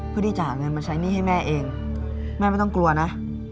เพื่อที่จะหาเงินมาใช้หนี้ให้แม่เองแม่ไม่ต้องกลัวนะ